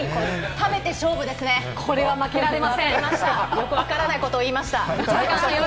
陰で勝負ですね、よくわからないことを言いました。